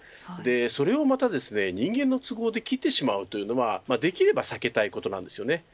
それをまた人間の都合で切ってしまうのはできれば避けたいことです。